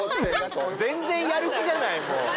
全然やる気じゃないもう。